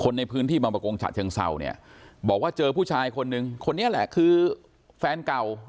ในพื้นที่บางประกงฉะเชิงเศร้าเนี่ยบอกว่าเจอผู้ชายคนนึงคนนี้แหละคือแฟนเก่า